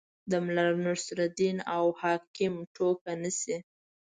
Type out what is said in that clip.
د ملا نصرالدین او حاکم ټوکه نه شي.